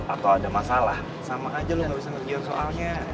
atau ada masalah sama aja lo gak bisa ngerti soalnya